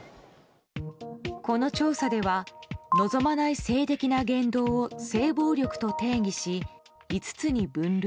この調査では望まない性的な言動を性暴力と定義し、５つに分類。